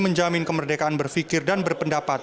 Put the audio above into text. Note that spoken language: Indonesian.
menjamin kemerdekaan berpikir dan berpendapat